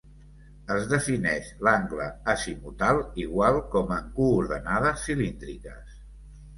Es defineix l'angle azimutal igual com en coordenades cilíndriques.